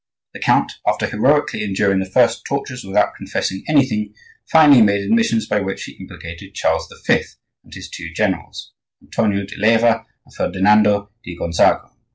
The count, after heroically enduring the first tortures without confessing anything, finally made admissions by which he implicated Charles V. and his two generals, Antonio di Leyva and Ferdinando di Gonzago.